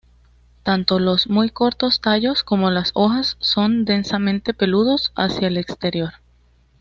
Tanto los muy cortos tallos como las hojas son densamente peludos hacia el exterior.